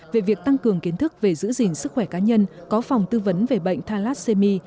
về việc tăng cường kiến thức về giữ gìn sức khỏe cá nhân có phòng tư vấn về bệnh thalassemi